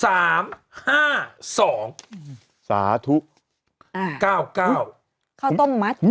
สามห้าสองสาธุอ่าเก้าเก้าเขาต้มมัด